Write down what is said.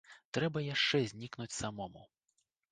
Трэба яшчэ знікнуць самому.